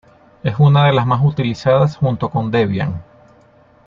Es una de las más utilizadas junto con Debian.